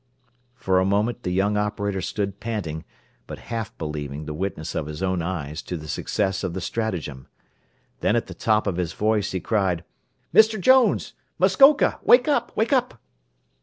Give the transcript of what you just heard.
For a moment the young operator stood panting, but half believing the witness of his own eyes to the success of the stratagem. Then at the top of his voice he cried: "Mr. Jones! Mr. Jones! Muskoka! Wake up! Wake up!"